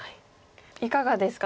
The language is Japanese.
いかがですか？